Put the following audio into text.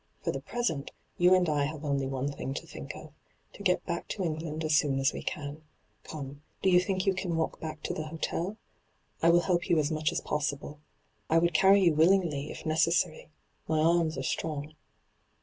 For the present, you and I have only one thing to think of — to get back to England as soon as we can. Come, do you think yon can walk back to the hotel? I will help you as much as possible — I would carry you willingly, if neaessary : my arms are strong.'